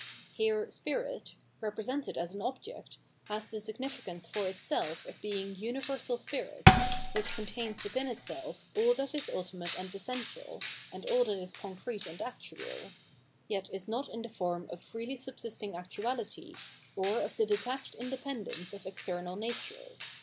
Here spirit, represented as an object, has the significance for itself of being Universal Spirit, which contains within itself all that is ultimate and essential and all that is concrete and actual; yet is not in the form of freely subsisting actuality, or of the detached independence of external nature.